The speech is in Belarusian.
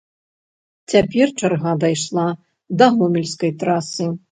Цяпер чарга дайшла да гомельскай трасы.